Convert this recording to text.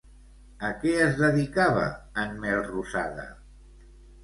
A què es dedicava en Melrosada?